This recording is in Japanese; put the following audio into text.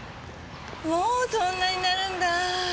もうそんなになるんだぁ。